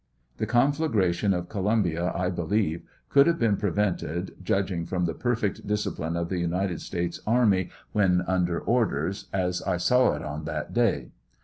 The conflagration of Columbia, I believe, could have been prevented, judging from the perfect discipline of the United States army when under orders, as I saw it on that day.